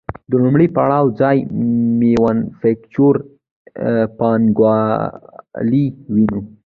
د لومړي پړاو ځای مینوفکچور پانګوالي ونیو